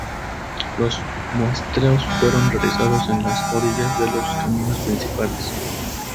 Los muestreos fueron realizados en las orillas de los caminos principales.